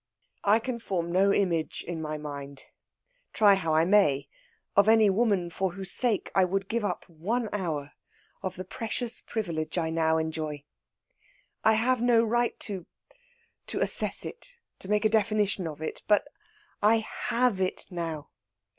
"I can form no image in my mind, try how I may, of any woman for whose sake I would give up one hour of the precious privilege I now enjoy. I have no right to to assess it, to make a definition of it. But I have it now.